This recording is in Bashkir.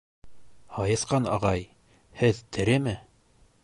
— Һайыҫҡан ағай, һеҙ тереме?..